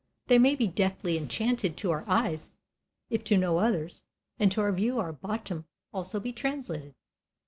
They may be deftly enchanted to our eyes if to no others, and to our view our Bottom also be translated.